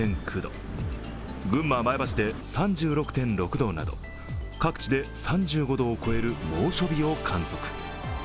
群馬・前橋で３６．６度など、各地で３６度を超える猛暑日を観測。